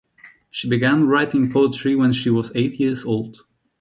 She began writing poetry when she was eight years old.